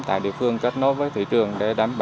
tại địa phương kết nối với thị trường